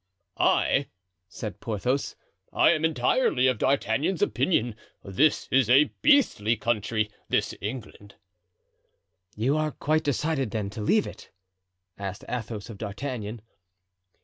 "I," said Porthos, "I am entirely of D'Artagnan's opinion; this is a 'beastly' country, this England." "You are quite decided, then, to leave it?" asked Athos of D'Artagnan.